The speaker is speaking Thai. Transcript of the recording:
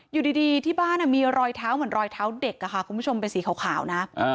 อยู่ดีที่บ้านมีรอยเท้าเหมือนรอยเท้าเด็กค่ะคุณผู้ชมเป็นสีขาวนะ